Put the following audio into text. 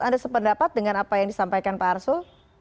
anda sependapat dengan apa yang disampaikan pak arsul